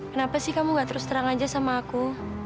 kenapa sih kamu gak terus terang aja sama aku